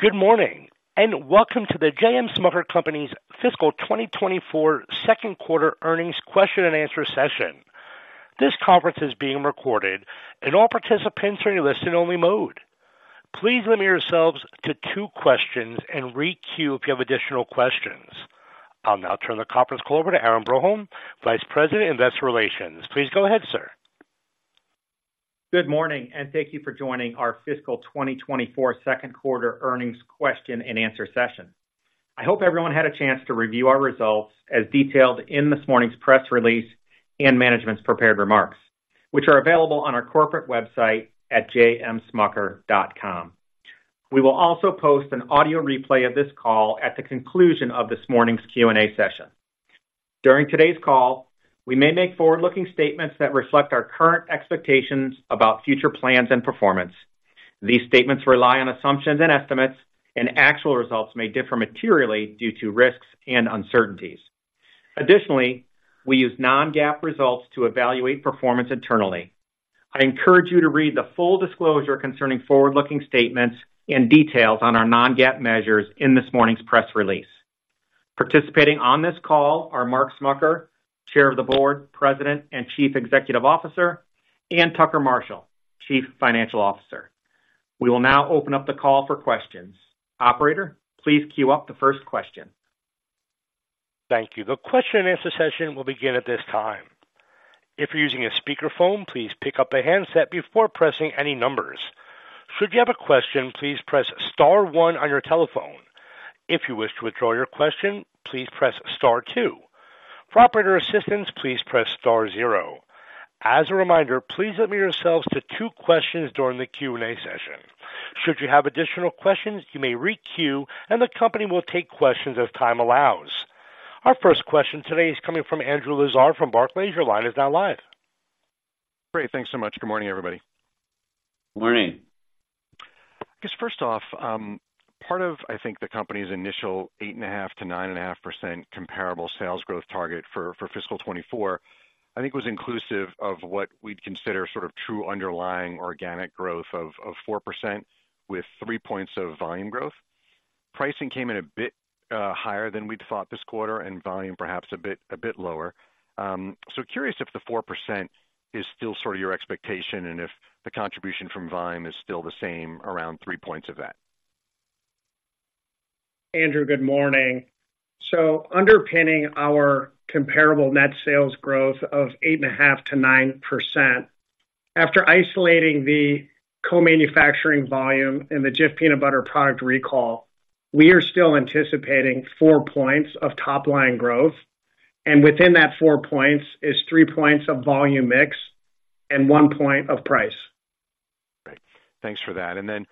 Good morning, and welcome to the J.M. Smucker Company's fiscal 2024 second quarter earnings question and answer session. This conference is being recorded, and all participants are in listen-only mode. Please limit yourselves to two questions and re-queue if you have additional questions. I'll now turn the conference call over to Aaron Broholm, Vice President, Investor Relations. Please go ahead, sir. Good morning, and thank you for joining our fiscal 2024 second quarter earnings question and answer session. I hope everyone had a chance to review our results as detailed in this morning's press release and management's prepared remarks, which are available on our corporate website at smucker.com. We will also post an audio replay of this call at the conclusion of this morning's Q&A session. During today's call, we may make forward-looking statements that reflect our current expectations about future plans and performance. These statements rely on assumptions and estimates, and actual results may differ materially due to risks and uncertainties. Additionally, we use non-GAAP results to evaluate performance internally. I encourage you to read the full disclosure concerning forward-looking statements and details on our non-GAAP measures in this morning's press release. Participating on this call are Mark Smucker, Chair of the Board, President, and Chief Executive Officer, and Tucker Marshall, Chief Financial Officer. We will now open up the call for questions. Operator, please queue up the first question. Thank you. The question and answer session will begin at this time. If you're using a speakerphone, please pick up a handset before pressing any numbers. Should you have a question, please press star one on your telephone. If you wish to withdraw your question, please press star two. For operator assistance, please press star zero. As a reminder, please limit yourselves to two questions during the Q&A session. Should you have additional questions, you may re-queue, and the company will take questions as time allows. Our first question today is coming from Andrew Lazar from Barclays. Your line is now live. Great. Thanks so much. Good morning, everybody. Good morning. I guess first off, part of, I think, the company's initial 8.5%-9.5% comparable sales growth target for fiscal 2024, I think, was inclusive of what we'd consider sort of true underlying organic growth of 4% with 3 points of volume growth. Pricing came in a bit higher than we'd thought this quarter, and volume perhaps a bit lower. So curious if the 4% is still sort of your expectation and if the contribution from volume is still the same around 3 points of that. Andrew, good morning. Underpinning our comparable net sales growth of 8.5%-9%, after isolating the co-manufacturing volume and the Jif peanut butter product recall, we are still anticipating 4 points of top-line growth, and within that 4 points is 3 points of volume mix and 1 point of price. Great. Thanks for that. And then,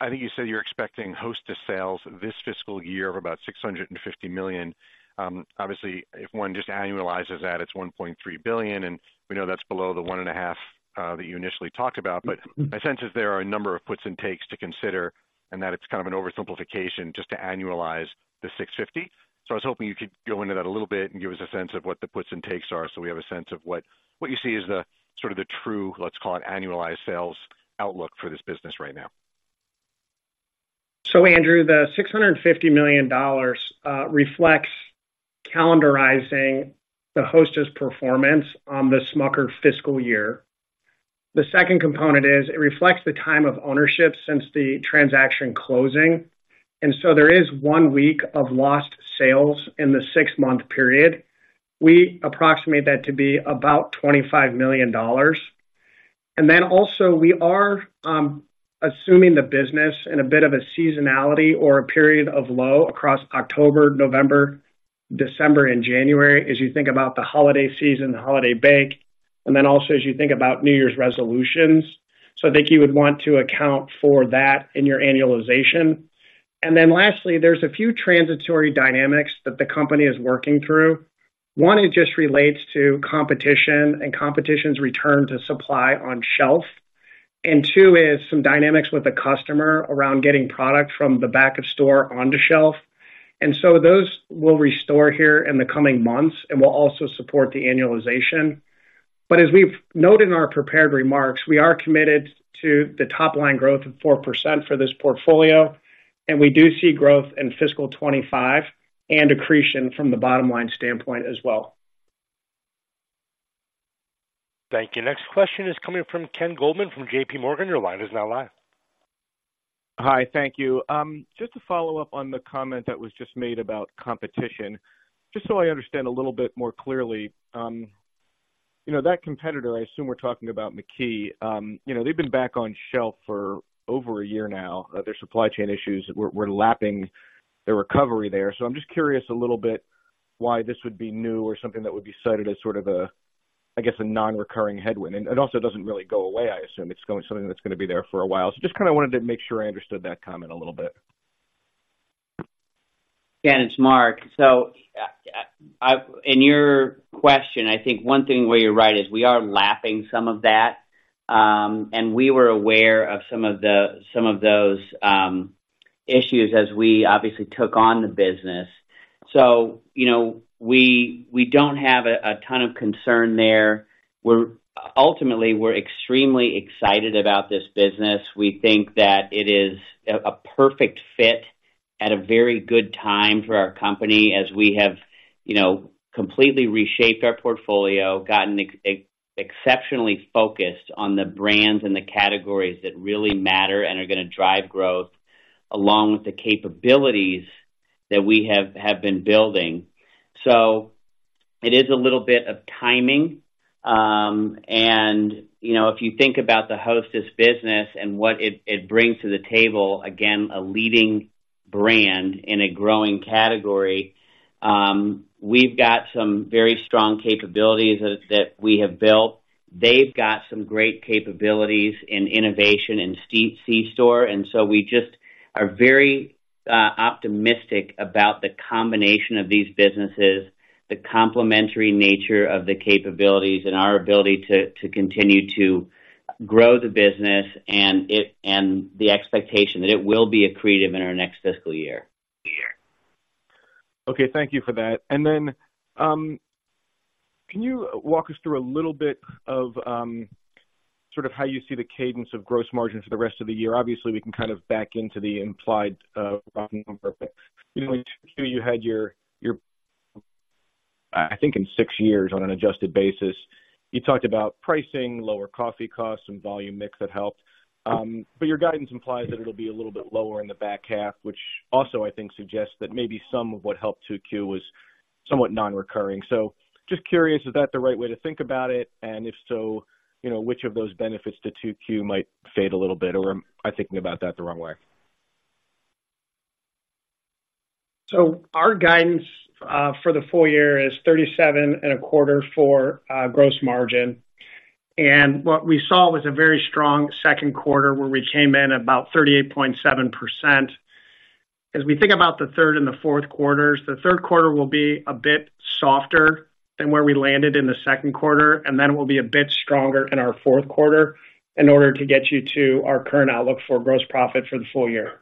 I think you said you're expecting Hostess sales this fiscal year of about $650 million. Obviously, if one just annualizes that, it's $1.3 billion, and we know that's below the $1.5 billion that you initially talked about. But my sense is there are a number of puts and takes to consider and that it's kind of an oversimplification just to annualize the $650 million. So I was hoping you could go into that a little bit and give us a sense of what the puts and takes are, so we have a sense of what you see as the sort of the true, let's call it, annualized sales outlook for this business right now. So, Andrew, the $650 million reflects calendarizing the Hostess performance on the Smucker fiscal year. The second component is, it reflects the time of ownership since the transaction closing, and so there is one week of lost sales in the six-month period. We approximate that to be about $25 million. And then also, we are assuming the business in a bit of a seasonality or a period of low across October, November, December and January, as you think about the holiday season, the holiday bake, and then also as you think about New Year's resolutions. So I think you would want to account for that in your annualization. And then lastly, there's a few transitory dynamics that the company is working through. One, it just relates to competition, and competition's return to supply on shelf. And two is some dynamics with the customer around getting product from the back of store onto shelf. And so those will restore here in the coming months and will also support the annualization. But as we've noted in our prepared remarks, we are committed to the top-line growth of 4% for this portfolio, and we do see growth in fiscal 2025 and accretion from the bottom-line standpoint as well. Thank you. Next question is coming from Ken Goldman from JPMorgan. Your line is now live. Hi, thank you. Just to follow up on the comment that was just made about competition, just so I understand a little bit more clearly, you know, that competitor, I assume we're talking about McKee. You know, they've been back on shelf for over a year now. Their supply chain issues, we're lapping the recovery there. So I'm just curious a little bit why this would be new or something that would be cited as sort of a... I guess, a non-recurring headwind. And it also doesn't really go away, I assume. It's going - something that's gonna be there for a while. So just kind of wanted to make sure I understood that comment a little bit. Ken, it's Mark. So, in your question, I think one thing where you're right is we are lapping some of that, and we were aware of some of those issues as we obviously took on the business. So, you know, we don't have a ton of concern there. We're ultimately extremely excited about this business. We think that it is a perfect fit at a very good time for our company, as we have, you know, completely reshaped our portfolio, gotten exceptionally focused on the brands and the categories that really matter and are gonna drive growth, along with the capabilities that we have been building. So it is a little bit of timing. And, you know, if you think about the Hostess business and what it brings to the table, again, a leading brand in a growing category, we've got some very strong capabilities that we have built. They've got some great capabilities in innovation and C-store, and so we just are very optimistic about the combination of these businesses, the complementary nature of the capabilities, and our ability to continue to grow the business, and the expectation that it will be accretive in our next fiscal year. Okay, thank you for that. Then, can you walk us through a little bit of, sort of how you see the cadence of gross margin for the rest of the year? Obviously, we can kind of back into the implied profit. You know, you had your, your-- I think in six years on an adjusted basis, you talked about pricing, lower coffee costs, and volume mix that helped. But your guidance implies that it'll be a little bit lower in the back half, which also, I think, suggests that maybe some of what helped Q2 was somewhat non-recurring. So just curious, is that the right way to think about it? And if so, you know, which of those benefits to Q2 might fade a little bit, or am I thinking about that the wrong way? Our guidance for the full year is 37.25 for gross margin. What we saw was a very strong second quarter, where we came in about 38.7%. As we think about the third and the fourth quarters, the third quarter will be a bit softer than where we landed in the second quarter, and then we'll be a bit stronger in our fourth quarter in order to get you to our current outlook for gross profit for the full year.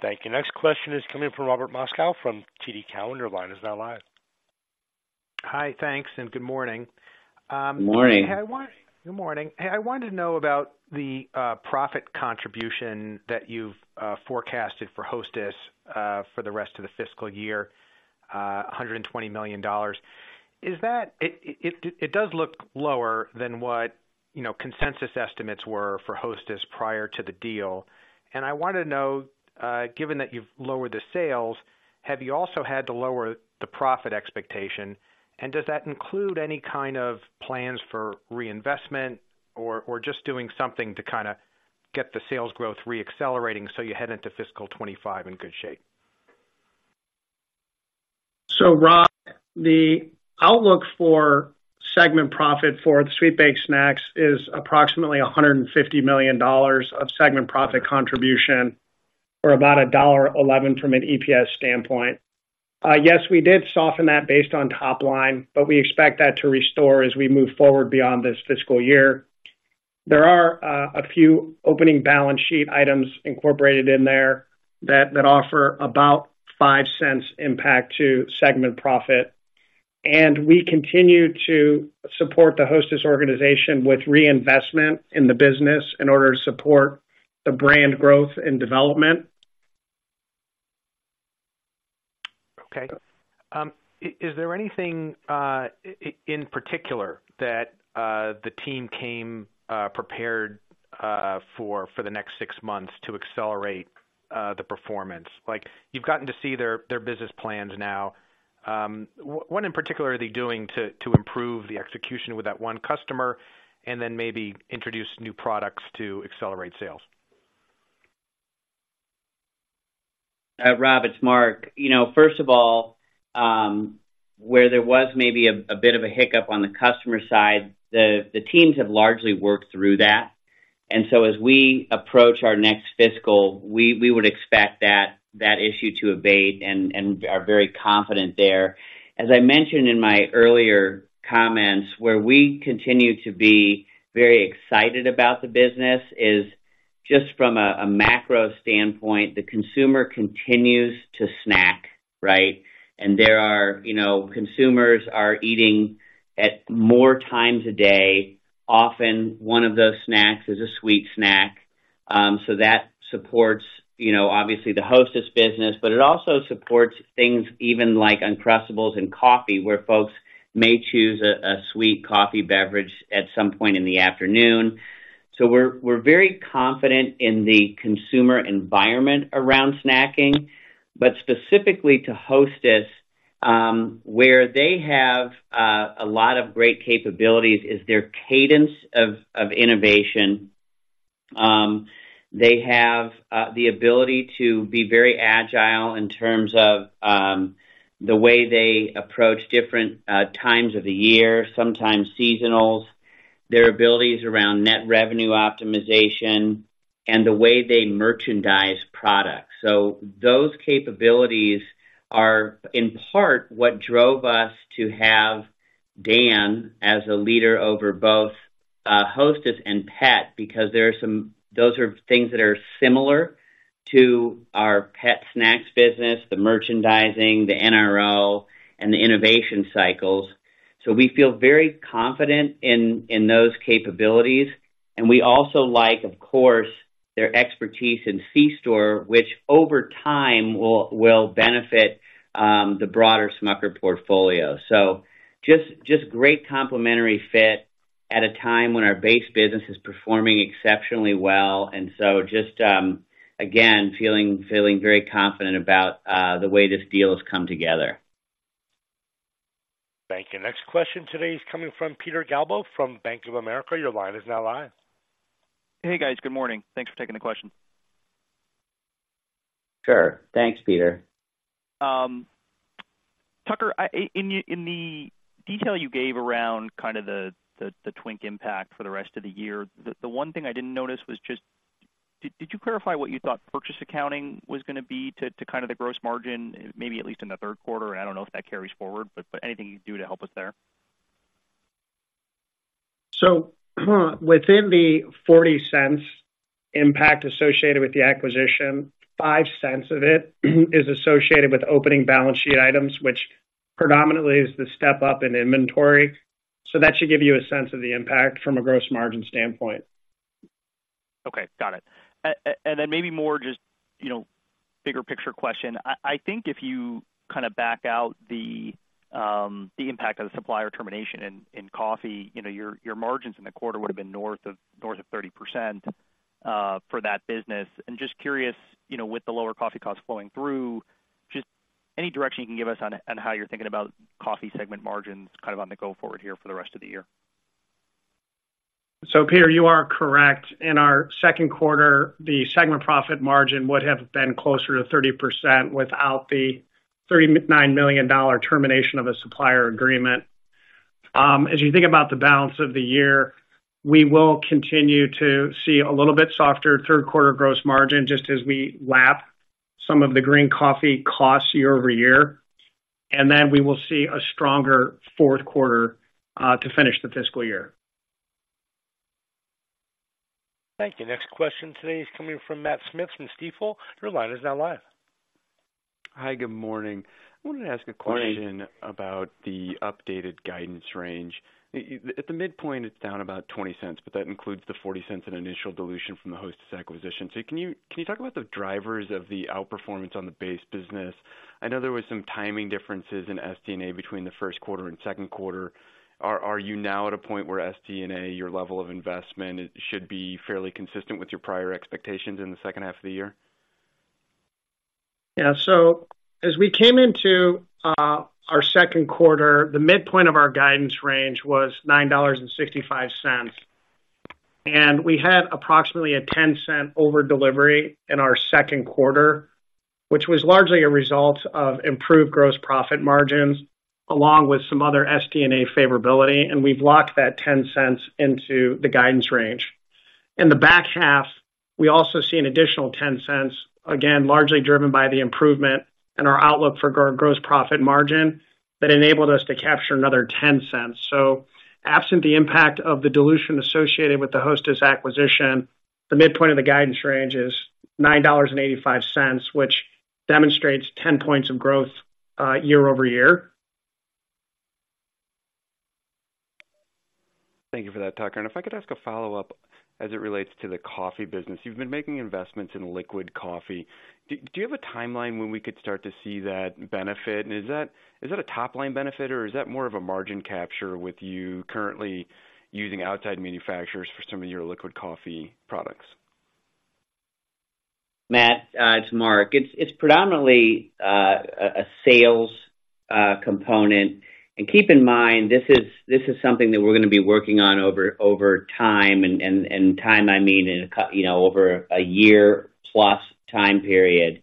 Thank you. Next question is coming from Robert Moskow from TD Cowen. Your line is now live. Hi, thanks, and good morning. Morning. Good morning. Hey, I wanted to know about the profit contribution that you've forecasted for Hostess for the rest of the fiscal year, $120 million. Is that? It does look lower than what, you know, consensus estimates were for Hostess prior to the deal. And I wanted to know, given that you've lowered the sales, have you also had to lower the profit expectation? And does that include any kind of plans for reinvestment or just doing something to kinda get the sales growth re-accelerating so you head into fiscal 2025 in good shape? So, Rob, the outlook for segment profit for the sweet baked snacks is approximately $150 million of segment profit contribution, or about $1.11 from an EPS standpoint. Yes, we did soften that based on top line, but we expect that to restore as we move forward beyond this fiscal year. There are, a few opening balance sheet items incorporated in there that offer about $0.05 impact to segment profit, and we continue to support the Hostess organization with reinvestment in the business in order to support the brand growth and development. Okay. Is there anything in particular that the team came prepared for the next six months to accelerate the performance? Like, you've gotten to see their business plans now. What in particular are they doing to improve the execution with that one customer, and then maybe introduce new products to accelerate sales? Rob, it's Mark. You know, first of all, where there was maybe a bit of a hiccup on the customer side, the teams have largely worked through that. And so as we approach our next fiscal, we would expect that issue to abate and are very confident there. As I mentioned in my earlier comments, where we continue to be very excited about the business is just from a macro standpoint, the consumer continues to snack, right? And there are, you know, consumers are eating at more times a day. Often, one of those snacks is a sweet snack. So that supports, you know, obviously, the Hostess business, but it also supports things even like Uncrustables and coffee, where folks may choose a sweet coffee beverage at some point in the afternoon. So we're very confident in the consumer environment around snacking. But specifically to Hostess, where they have a lot of great capabilities is their cadence of innovation. They have the ability to be very agile in terms of the way they approach different times of the year, sometimes seasonals, their abilities around net revenue optimization, and the way they merchandise products. So those capabilities are, in part, what drove us to have Dan as a leader over both Hostess and Pet, because those are things that are similar to our pet snacks business, the merchandising, the NRO, and the innovation cycles. So we feel very confident in those capabilities. And we also like, of course, their expertise in C-store, which over time will benefit the broader Smucker portfolio. So just great complementary fit at a time when our base business is performing exceptionally well. And so just, again, feeling very confident about the way this deal has come together. Thank you. Next question today is coming from Peter Galbo from Bank of America. Your line is now live. Hey, guys. Good morning. Thanks for taking the question. Sure. Thanks, Peter. Tucker, in the detail you gave around kind of the Twinkie impact for the rest of the year, the one thing I didn't notice was just, did you clarify what you thought purchase accounting was gonna be to kind of the gross margin, maybe at least in the third quarter? I don't know if that carries forward, but anything you can do to help us there. So within the $0.40 impact associated with the acquisition, $0.05 of it is associated with opening balance sheet items, which predominantly is the step up in inventory. So that should give you a sense of the impact from a gross margin standpoint. Okay, got it. And then maybe more just, you know, bigger picture question. I think if you kinda back out the impact of the supplier termination in coffee, you know, your margins in the quarter would have been north of 30%, for that business. And just curious, you know, with the lower coffee costs flowing through, just any direction you can give us on how you're thinking about coffee segment margins, kind of on the go forward here for the rest of the year? So Peter, you are correct. In our second quarter, the segment profit margin would have been closer to 30% without the $39 million termination of a supplier agreement. As you think about the balance of the year, we will continue to see a little bit softer third quarter gross margin, just as we lap some of the green coffee costs year-over-year, and then we will see a stronger fourth quarter, to finish the fiscal year. Thank you. Next question today is coming from Matt Smith from Stifel. Your line is now live. Hi, good morning. I wanted to ask a question- Good morning. about the updated guidance range. At the midpoint, it's down about $0.20, but that includes the $0.40 in initial dilution from the Hostess acquisition. So can you talk about the drivers of the outperformance on the base business? I know there was some timing differences in SD&A between the first quarter and second quarter. Are you now at a point where SD&A, your level of investment, it should be fairly consistent with your prior expectations in the second half of the year? Yeah. So as we came into our second quarter, the midpoint of our guidance range was $9.65. And we had approximately a $0.10 over delivery in our second quarter, which was largely a result of improved gross profit margins, along with some other SD&A favorability, and we've locked that $0.10 into the guidance range. In the back half, we also see an additional $0.10, again, largely driven by the improvement and our outlook for our gross profit margin, that enabled us to capture another $0.10. So absent the impact of the dilution associated with the Hostess acquisition, the midpoint of the guidance range is $9.85, which demonstrates 10 points of growth year-over-year. Thank you for that, Tucker. If I could ask a follow-up as it relates to the coffee business. You've been making investments in liquid coffee. Do you have a timeline when we could start to see that benefit? And is that a top-line benefit, or is that more of a margin capture with you currently using outside manufacturers for some of your liquid coffee products? Matt, it's Mark. It's predominantly a sales component. And keep in mind, this is something that we're gonna be working on over time, and time, I mean, you know, over a year-plus time period.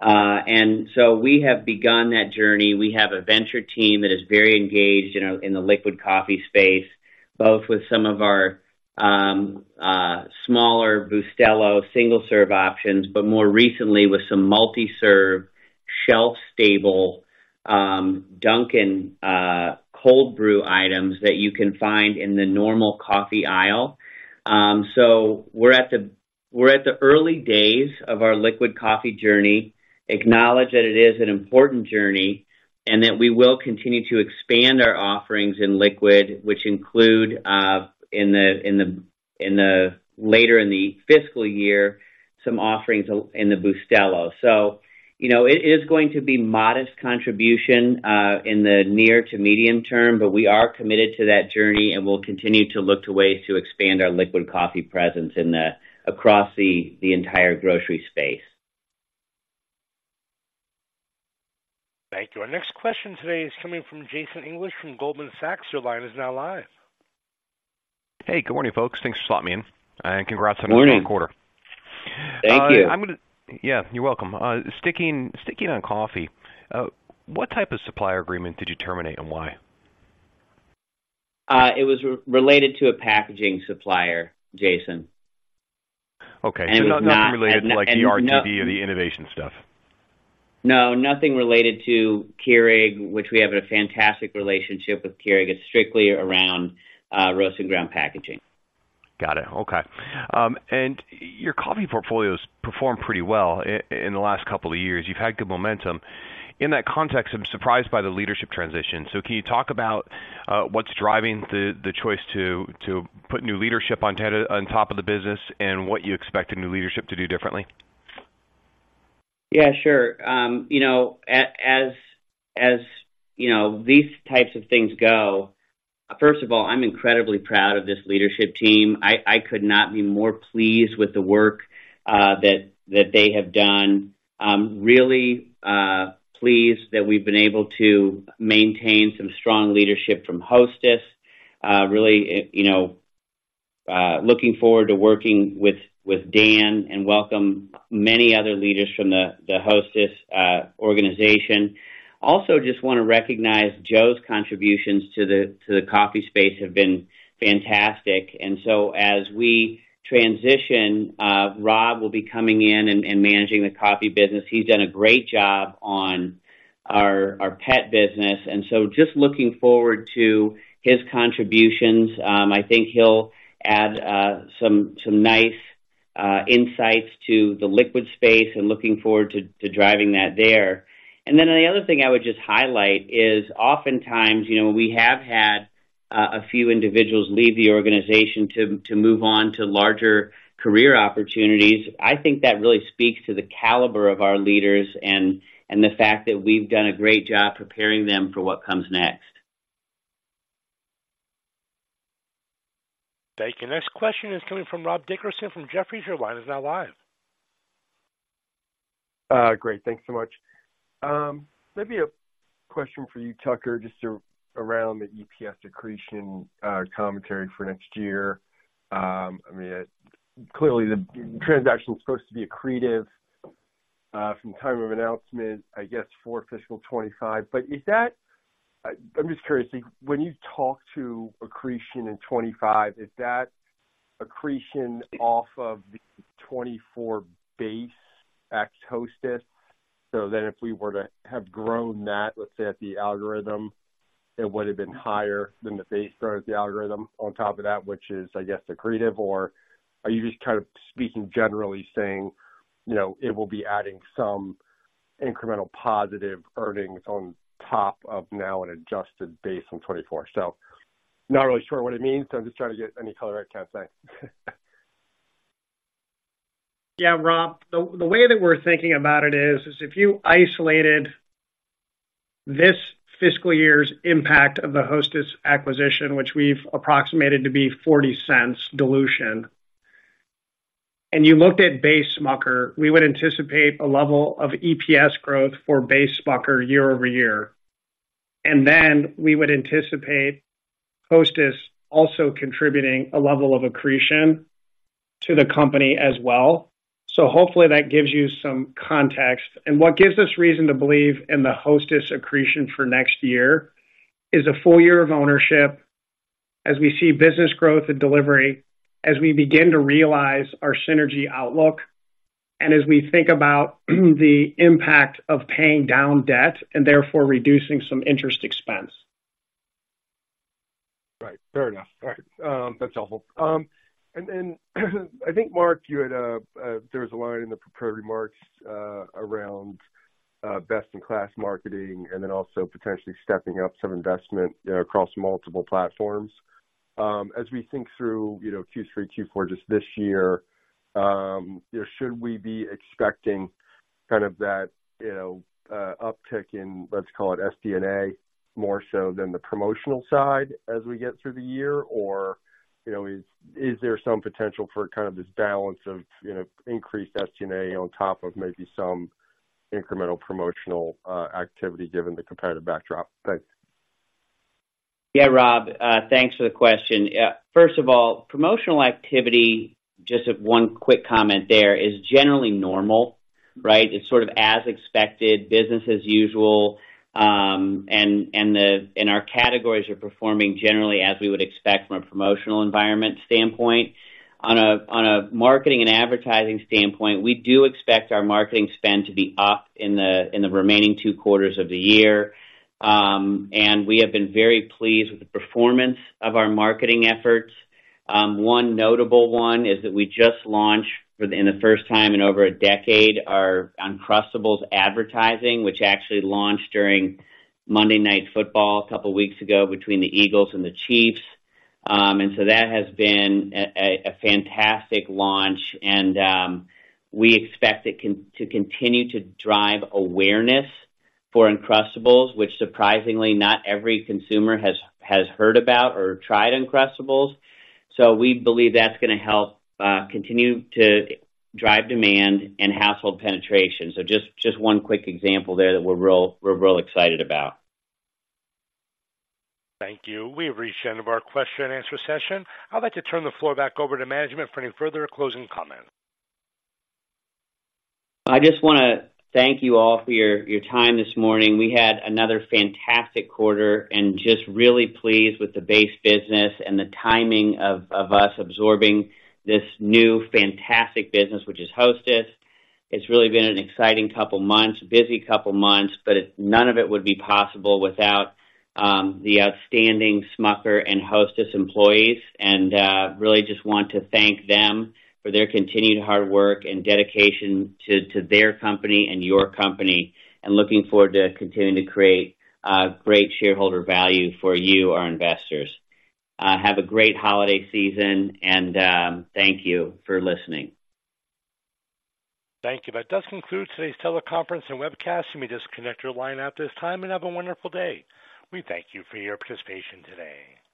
And so we have begun that journey. We have a venture team that is very engaged in the liquid coffee space, both with some of our smaller Bustelo single-serve options, but more recently with some multi-serve, shelf-stable Dunkin' cold brew items that you can find in the normal coffee aisle. So we're at the early days of our liquid coffee journey, acknowledge that it is an important journey, and that we will continue to expand our offerings in liquid, which include later in the fiscal year, some offerings in the Bustelo. So, you know, it is going to be modest contribution in the near to medium term, but we are committed to that journey, and we'll continue to look to ways to expand our liquid coffee presence across the entire grocery space. Thank you. Our next question today is coming from Jason English, from Goldman Sachs. Your line is now live. Hey, good morning, folks. Thanks for slotting me in. Congrats on the fourth quarter. Good morning. Thank you. I'm gonna... Yeah, you're welcome. Sticking on coffee, what type of supplier agreement did you terminate and why? It was related to a packaging supplier, Jason.... Okay, so nothing related to like the RTD or the innovation stuff? No, nothing related to Keurig, which we have a fantastic relationship with Keurig. It's strictly around roast and ground packaging. Got it. Okay. And your coffee portfolio has performed pretty well in the last couple of years. You've had good momentum. In that context, I'm surprised by the leadership transition. So can you talk about what's driving the choice to put new leadership on top of the business and what you expect the new leadership to do differently? Yeah, sure. You know, as you know, these types of things go, first of all, I'm incredibly proud of this leadership team. I could not be more pleased with the work that they have done. I'm really pleased that we've been able to maintain some strong leadership from Hostess. Really, you know, looking forward to working with Dan and welcome many other leaders from the Hostess organization. Also, just wanna recognize Joe's contributions to the coffee space have been fantastic. And so as we transition, Rob will be coming in and managing the coffee business. He's done a great job on our pet business, and so just looking forward to his contributions. I think he'll add some nice insights to the liquid space and looking forward to driving that there. And then the other thing I would just highlight is oftentimes, you know, we have had a few individuals leave the organization to move on to larger career opportunities. I think that really speaks to the caliber of our leaders and the fact that we've done a great job preparing them for what comes next. Thank you. Next question is coming from Rob Dickerson from Jefferies. Your line is now live. Great. Thanks so much. Maybe a question for you, Tucker, just around the EPS accretion commentary for next year. I mean, clearly, the transaction is supposed to be accretive from time of announcement, I guess, for fiscal 25. But is that—I'm just curious, when you talk to accretion in 25, is that accretion off of the 24 base at Hostess? So then if we were to have grown that, let's say, at the algorithm, it would have been higher than the base or the algorithm on top of that, which is, I guess, accretive. Or are you just kind of speaking generally saying, you know, it will be adding some incremental positive earnings on top of now an adjusted base in 24? So not really sure what it means, so I'm just trying to get any color I can, thanks. Yeah, Rob, the way that we're thinking about it is if you isolated this fiscal year's impact of the Hostess acquisition, which we've approximated to be $0.40 dilution, and you looked at base Smucker, we would anticipate a level of EPS growth for base Smucker year-over-year. Then we would anticipate Hostess also contributing a level of accretion to the company as well. Hopefully that gives you some context. What gives us reason to believe in the Hostess accretion for next year is a full year of ownership as we see business growth and delivery, as we begin to realize our synergy outlook, and as we think about the impact of paying down debt and therefore reducing some interest expense. Right. Fair enough. All right, that's helpful. And then, I think, Mark, you had a line in the prepared remarks, around best-in-class marketing and then also potentially stepping up some investment across multiple platforms. As we think through, you know, Q3, Q4, just this year, should we be expecting kind of that, you know, uptick in, let's call it SD&A, more so than the promotional side as we get through the year? Or, you know, is there some potential for kind of this balance of, you know, increased SD&A on top of maybe some incremental promotional activity given the competitive backdrop? Thanks. Yeah, Rob, thanks for the question. First of all, promotional activity, just one quick comment there, is generally normal, right? It's sort of as expected, business as usual, and our categories are performing generally as we would expect from a promotional environment standpoint. On a marketing and advertising standpoint, we do expect our marketing spend to be up in the remaining 2 quarters of the year. And we have been very pleased with the performance of our marketing efforts. One notable one is that we just launched for the first time in over a decade our Uncrustables advertising, which actually launched during Monday Night Football a couple weeks ago between the Eagles and the Chiefs. And so that has been a fantastic launch, and we expect it to continue to drive awareness for Uncrustables, which surprisingly, not every consumer has heard about or tried Uncrustables. So we believe that's gonna help continue to drive demand and household penetration. So just one quick example there that we're real excited about. Thank you. We've reached the end of our question-and-answer session. I'd like to turn the floor back over to management for any further closing comments. I just wanna thank you all for your, your time this morning. We had another fantastic quarter and just really pleased with the base business and the timing of, of us absorbing this new fantastic business, which is Hostess. It's really been an exciting couple months, busy couple months, but none of it would be possible without the outstanding Smucker and Hostess employees. And really just want to thank them for their continued hard work and dedication to, to their company and your company, and looking forward to continuing to create great shareholder value for you, our investors. Have a great holiday season, and thank you for listening. Thank you. That does conclude today's teleconference and webcast. You may disconnect your line at this time, and have a wonderful day. We thank you for your participation today.